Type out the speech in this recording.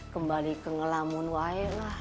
kembali ke ngelamun way lah